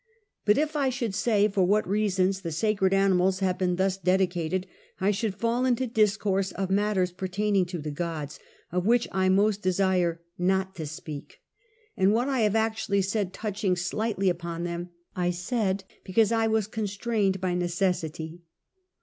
But if I should say for what reasons the sacred animals have been thus dedicated, I should fall into discourse of matters pertaining to the gods, of which I most desire not to speak; and what I have actually said touching slightly upon them, I said because I was constrained by necessity.